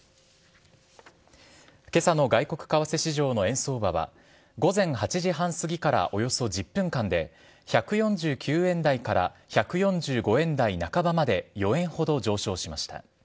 けさの外国為替市場の円相場は、午前８時半過ぎからおよそ１０分間で、１４９円台から１４５円台半ばまで４円ほど上昇しました。